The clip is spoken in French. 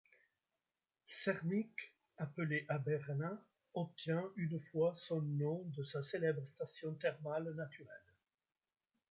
Cermik appelé Aberna obtient une fois son nom de sa célèbre station thermale naturelle.